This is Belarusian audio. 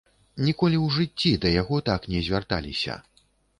Ніколі ў жыцці да яго так не звярталіся.